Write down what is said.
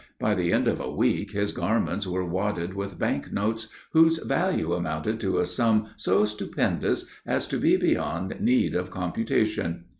By the end of a week his garments were wadded with bank notes whose value amounted to a sum so stupendous as to be beyond need of computation.